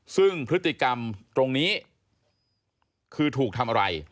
ซึ่งพฤติกรรมตรงนี้คือถูกทำอะไร